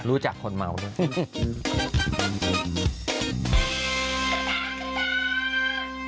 รู้จักคนเมาด้วย